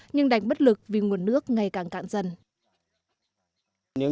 nhưng đánh bất lực vì nguồn nước ngày càng cạn dần